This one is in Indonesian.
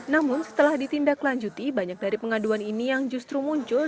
namun setelah ditindaklanjuti banyak dari pengaduan ini yang justru muncul